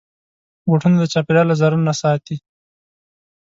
بوټونه د چاپېریال له ضرر نه ساتي.